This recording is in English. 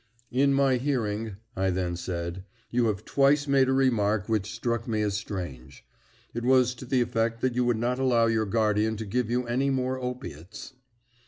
"In my hearing," I then said, "you have twice made a remark which struck me as strange. It was to the effect that you would not allow your guardian to give you any more opiates."